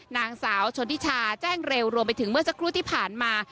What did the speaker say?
นางสาวชนทิชาแจ้งเร็วรวมไปถึงเมื่อสักครู่ที่ผ่านมา